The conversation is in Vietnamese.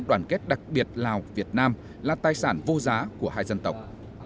đoàn kết đặc biệt lào việt nam là tài sản vô giá của hai dân tộc